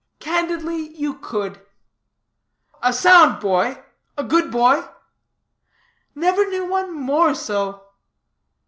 "Candidly, you could." "A sound boy? A good boy?" "Never knew one more so."